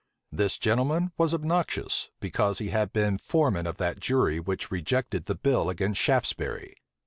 This gentleman was obnoxious, because he had been foreman of that jury which rejected the bill against Shaftesbury.